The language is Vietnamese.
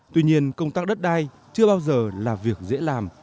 tuy nhiên công tác đất đai chưa bao giờ là việc dễ làm